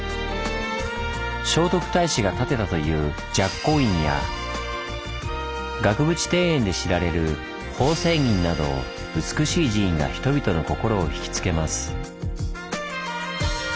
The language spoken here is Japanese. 聖徳太子が建てたという寂光院や額縁庭園で知られる宝泉院など美しい寺院が人々の心を引き付けます。